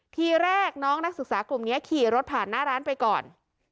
ทีแรกน้องนักศึกษากลุ่มนี้ขี่รถผ่านหน้าร้านไปก่อน